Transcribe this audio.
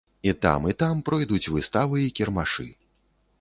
І там, і там пройдуць выставы і кірмашы.